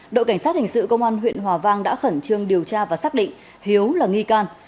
đội cảnh sát hình sự công an huyện hòa vang đã khẩn trương điều tra và xác định hiếu là nghi can